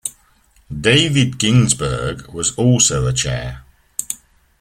David Ginsburg was also a chair.